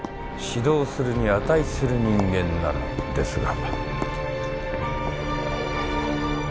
指導するに値する人間ならですが。